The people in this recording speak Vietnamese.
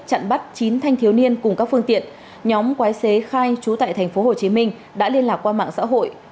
chặn bắt chín thanh thiếu niên cùng các phương tiện nhóm quái xế khai trú tại tp hcm đã liên lạc qua mạng xã hội